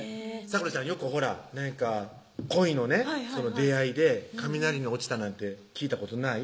咲楽ちゃんよくほらなんか恋の出会いで雷に落ちたなんて聞いたことない？